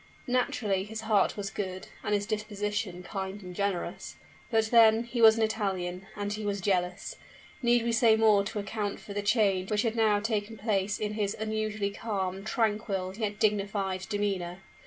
Naturally his heart was good, and his disposition kind and generous but, then, he was an Italian and he was jealous! Need we say more to account for the change which had now taken place in his usually calm, tranquil, yet dignified, demeanor?